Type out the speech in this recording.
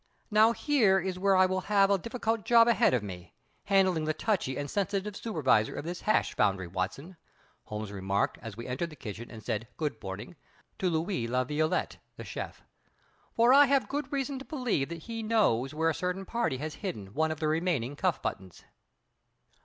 "Now here is where I will have a difficult job ahead of me, handling the touchy and sensitive supervisor of this hash foundry, Watson," Holmes remarked as we entered the kitchen and said "Good morning" to Louis La Violette the chef; "for I have good reason to believe that he knows where a certain party has hidden one of the remaining cuff buttons."